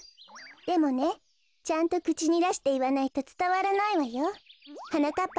でもねちゃんとくちにだしていわないとつたわらないわよ。はなかっ